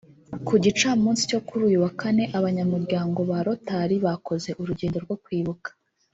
Ku gicamunsi cyo kuri uyu wa Kane abanyamuryango ba Rotary bakoze urugendo rwo kwibuka